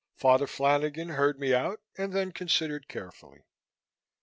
Father Flanagan heard me out and then considered carefully.